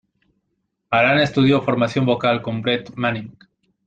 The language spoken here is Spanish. Alana estudió formación vocal con Brett Manning.